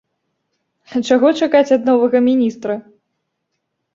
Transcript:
А чаго чакаць ад новага міністра?